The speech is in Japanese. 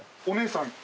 お父さん？